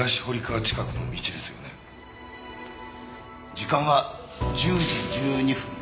時間は１０時１２分。